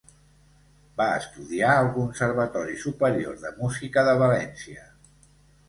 Va estudiar al Conservatori Superior de Música de València.